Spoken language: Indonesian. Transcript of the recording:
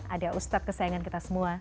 ada ustadz kesayangan kita semua